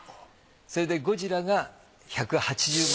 それでゴジラが１８０万。